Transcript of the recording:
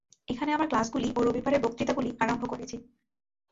এখানে আমার ক্লাসগুলি ও রবিবারের বক্তৃতাগুলি আরম্ভ করেছি।